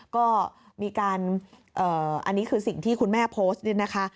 ก็มีการอันนี้คือสิ่งที่คุณแม่โพสต์นี่นะคะ